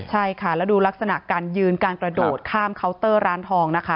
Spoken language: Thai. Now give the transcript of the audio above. ใช่ค่ะแล้วดูลักษณะการยืนการกระโดดข้ามเคาน์เตอร์ร้านทองนะคะ